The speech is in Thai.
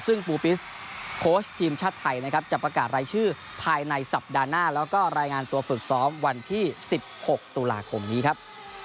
ซึ่งปูปิสโค้ชทีมชาติไทยนะครับจะประกาศรายชื่อภายในสัปดาห์หน้าแล้วก็รายงานตัวฝึกซ้อมวันที่๑๖ตุลาคมนี้ครับ